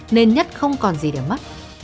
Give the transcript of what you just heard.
nên nhất không còn gì để mất